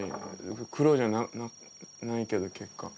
黒じゃないけど。